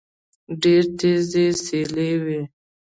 ډېره تېزه سيلۍ وه